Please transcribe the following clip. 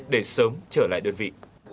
để sớm trở lại đơn vị